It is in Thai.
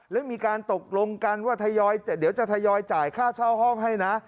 และมีการตกลงกันว่าเดี๋ยวจะทยอยจ่ายค่าเช่าห้องให้นะ